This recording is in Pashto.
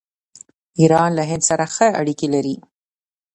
ایران له هند سره ښه اړیکې لري.